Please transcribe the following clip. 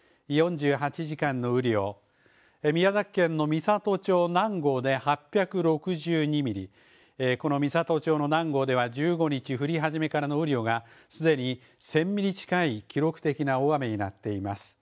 ４８時間の雨量、宮崎県の美郷町南郷で８６２ミリ、この美郷町の南郷では１５日、降り始めからの雨量が、すでに１０００ミリ近い記録的な大雨になっています。